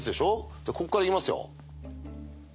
じゃあこっから行きますよ。